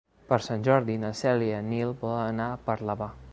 Per Sant Jordi na Cèlia i en Nil volen anar a Parlavà.